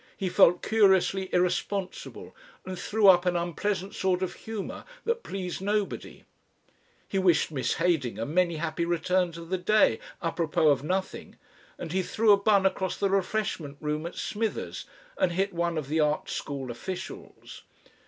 He felt curiously irresponsible and threw up an unpleasant sort of humour that pleased nobody. He wished Miss Heydinger many happy returns of the day, apropos of nothing, and he threw a bun across the refreshment room at Smithers and hit one of the Art School officials.